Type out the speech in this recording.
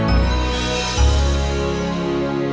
sampai jumpa lagi